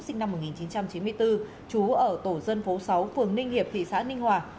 sinh năm một nghìn chín trăm chín mươi bốn trú ở tổ dân phố sáu phường ninh hiệp thị xã ninh hòa